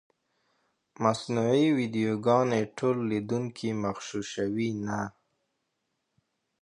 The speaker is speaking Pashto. مصنوعي ویډیوګانې ټول لیدونکي مغشوشوي نه.